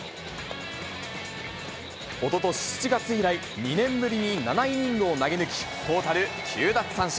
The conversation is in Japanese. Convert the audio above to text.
おととし７月以来、２年ぶりに７イニングを投げ抜き、トータル９奪三振。